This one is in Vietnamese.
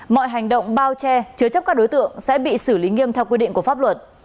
mọi hành động bao che chứa chấp các đối tượng sẽ bị xử lý nghiêm theo quy định của pháp luật